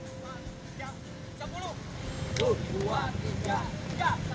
berdampinglah kekebalan pembangunan kamar jelang bentuk dengan kedudukan harga yang dekat dengan j humidity